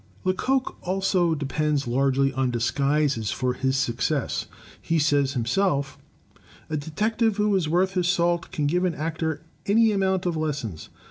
Lecoq also depends largely on disguises for his successes. He says himself: "A detective who is worth his salt can give an actor any amount of lessons.